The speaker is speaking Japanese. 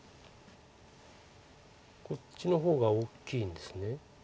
こっちの方が大きいんですね。